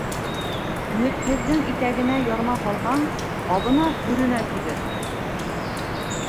Өмөтһөҙҙөң итәгенә ярма һалһаң, абына-һөрөнә түгер.